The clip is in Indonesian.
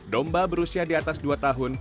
domba berusia di atas dua tahun